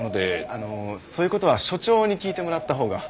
あのそういう事は所長に聞いてもらったほうが。